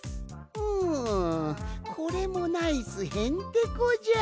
ううんこれもナイスへんてこじゃ！